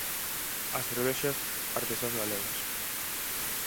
As cervexas artesás galegas.